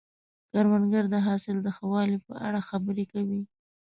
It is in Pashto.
کروندګر د حاصل د ښه والي په اړه خبرې کوي